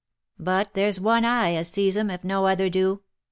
But there's one eye as sees 'em, if no other do."